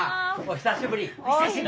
お久しぶりです！